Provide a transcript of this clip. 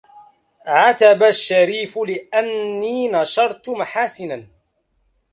عتب الشريف لأن نشرت محاسنا